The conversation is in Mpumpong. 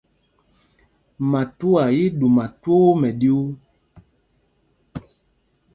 Matuá í í ɗuma twóó mɛɗyuu.